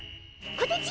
・こてち！